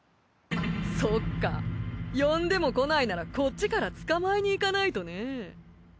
そっか呼んでも来ないならこっちから捕まえにいかないとね。